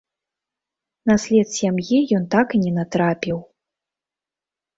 На след сям'і ён так і не натрапіў.